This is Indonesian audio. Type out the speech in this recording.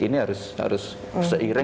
ini harus seiring